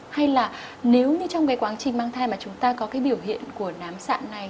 hay là nếu như trong cái quá trình mang thai mà chúng ta có cái biểu hiện của nám sạn này